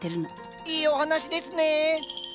いいお話ですね。